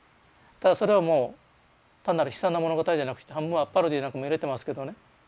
ただそれはもう単なる悲惨な物語じゃなくて半分はパロディーなんかも入れてますけどね。